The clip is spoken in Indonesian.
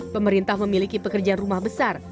pemerintah memiliki pekerjaan rumah besar